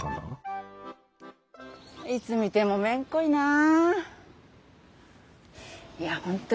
いつ見てもめんこいなあ。